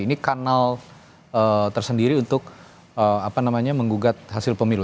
ini kanal tersendiri untuk menggugat hasil pemilu